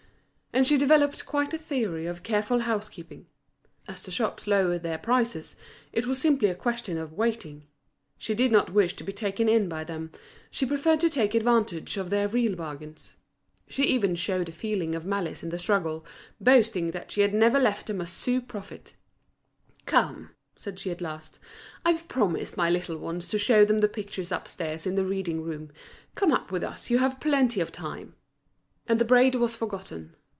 And she developed quite a theory of careful housekeeping. As the shops lowered their prices, it was simply a question of waiting. She did not wish to be taken in by them, she preferred to take advantage of their real bargains. She even showed a feeling of malice in the struggle, boasting that she had never left them a sou profit. "Come," said she at last, "I've promised my little ones to show them the pictures upstairs in the reading room. Come up with us, you have plenty of time." And the braid was forgotten.